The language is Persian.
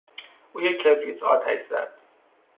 او یک کبریت آتش زد.